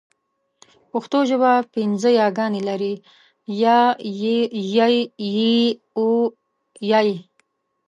پښتو ژبه پینځه یاګانې لري: ی، ي، ئ، ې او ۍ